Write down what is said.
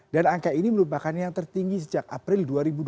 dan angka ini melupakannya yang tertinggi sejak april dua ribu dua puluh